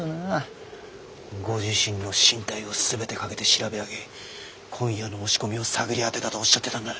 ご自身の進退をすべて懸けて調べ上げ今夜の押し込みを探り当てたとおっしゃってたんだ。